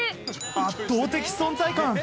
圧倒的存在感。